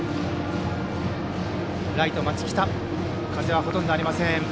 ライト、風はほとんどありません。